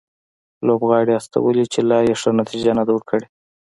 لوبغاړي استولي چې لا یې ښه نتیجه نه ده ورکړې